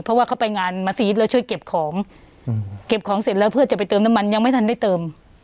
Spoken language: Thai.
เพราะว่าเขาไปงานมัศยิตแล้วช่วยเก็บของเก็บของเสร็จแล้วเพื่อจะไปเติมน้ำมันยังไม่ทันได้เติม